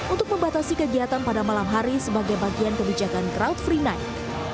untuk membatasi kegiatan pada malam hari sebagai bagian kebijakan crowd free night